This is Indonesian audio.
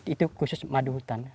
itu khusus madu hutan